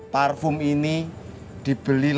parfum ini dibeli langsung